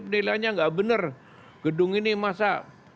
misalnya lapangan banteng kementerian kubur misalnya lapangan banteng kementerian kubur